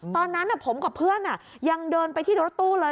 ตอนนั้นผมกับเพื่อนยังเดินไปที่รถตู้เลย